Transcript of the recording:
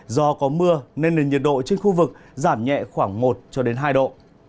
do có mưa nên nền nhiệt độ trên khu vực giảm nhẹ khoảng một hai độ